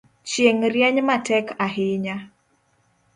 Chieng’ rieny matek ahinya